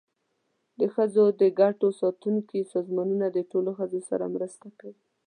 د ښځو د ګټو ساتونکي سازمانونه د ټولو ښځو سره مرسته کوي.